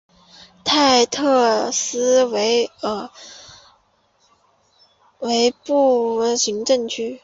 泰特斯维尔为布拉瓦县的行政中心。